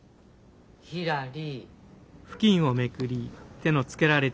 ひらり。